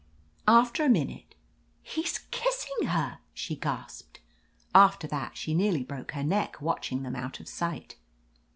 After a minute, "He's kissing her!" she gasped. After that she nearly broke her neck watching them out of sight.